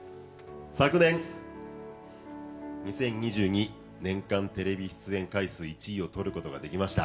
昨年、２０２２年間テレビ出演回数１位をとることができました。